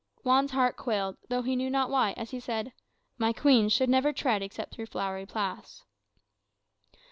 Juan's heart quailed, though he knew not why, as he said, "My queen should never tread except through flowery paths."